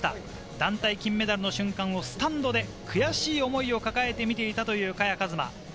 団体金メダルの瞬間をスタンドで悔しい思いを抱えて見ていたという萱和磨。